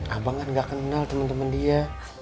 abang kan gak kenal temen temen dia